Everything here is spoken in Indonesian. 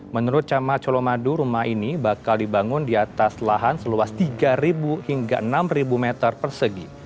menurut camat colomadu rumah ini bakal dibangun di atas lahan seluas tiga hingga enam meter persegi